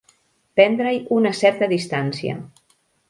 Prendre-hi una certa distància.